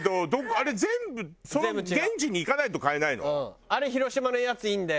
あれ全部その現地に行かないと買えないの？